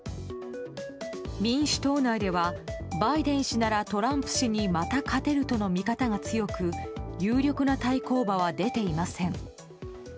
民主党内ではバイデン氏ならトランプ氏にまた勝てるとの見方が強く有力な対抗馬は出ていません。